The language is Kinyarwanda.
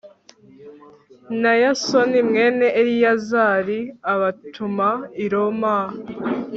na yasoni mwene eleyazari, abatuma i roma